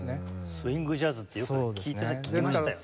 スウィング・ジャズってよく聞きましたよね。